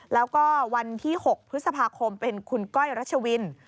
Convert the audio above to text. แล้วก็วันที่๖พฤษภาคมเป็นคุณก้อยรัชวิน